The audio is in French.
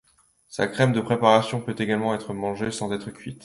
Sa crème de préparation peut également être mangée sans être cuite.